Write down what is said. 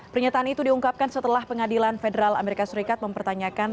pertama sekali saya ingin menjawab pertanyaan